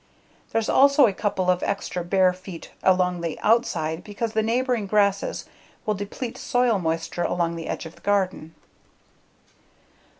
There's also a couple of extra bare feet along the outside because the neighboring grasses will deplete soil moisture along the edge of the garden.